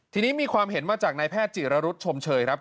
ทีนี้มีความเห็นมาจากนายแพทย์จิรรุธชมเชยครับ